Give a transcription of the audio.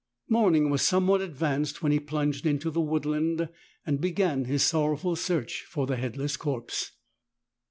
Morning was somewhat advanced when he plunged into the woodland and began his sorrowful search for the head less corpse.